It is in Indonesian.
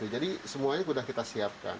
jadi semuanya sudah kita siapkan